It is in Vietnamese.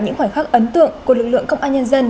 những khoảnh khắc ấn tượng của lực lượng công an nhân dân